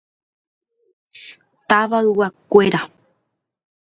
Tavayguakuéra.